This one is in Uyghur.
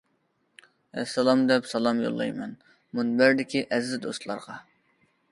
ئەسسالام دەپ سالام يوللايمەن، مۇنبەردىكى ئەزىز دوستلارغا.